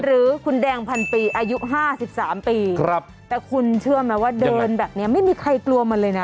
หรือคุณแดงพันปีอายุห้าสิบสามปีครับแต่คุณเชื่อไหมว่าเดินแบบเนี้ยไม่มีใครกลัวมันเลยนะ